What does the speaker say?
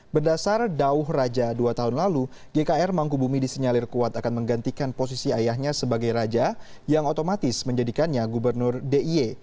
berdasar dauh raja dua tahun lalu gkr mangkubumi disinyalir kuat akan menggantikan posisi ayahnya sebagai raja yang otomatis menjadikannya gubernur d i e